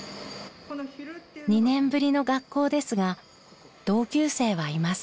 ２年ぶりの学校ですが同級生はいません。